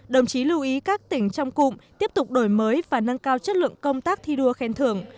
đồng chí lưu ý các tỉnh trong cụm tiếp tục đổi mới và nâng cao chất lượng công tác thi đua khen thưởng